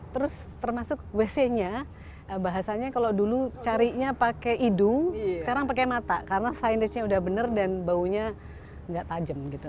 terus termasuk wc nya bahasanya kalau dulu carinya pakai hidung sekarang pakai mata karena signage nya udah benar dan baunya nggak tajam gitu